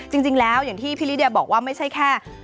จริงแล้วอย่างที่พี่ลิเดียบอกว่าไม่ใช่แค่